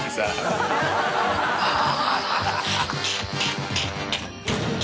ハハハ